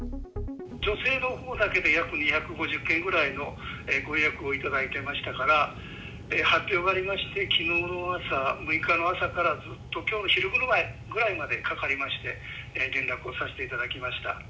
女性のほうだけで約２５０件ぐらいのご予約を頂いてましたから、発表がありまして、きのうの朝、６日の朝からずっときょうの昼ころぐらいまでかかりまして、連絡をさせていただきました。